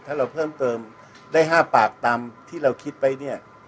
ถ้าเราเพิ่มเติมได้๕ปากตามที่เราคิดไว้เนี่ย